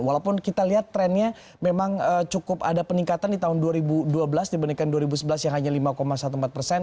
walaupun kita lihat trennya memang cukup ada peningkatan di tahun dua ribu dua belas dibandingkan dua ribu sebelas yang hanya lima empat belas persen